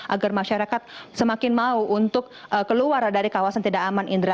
agar masyarakat semakin mau untuk keluar dari kawasan tidak aman indra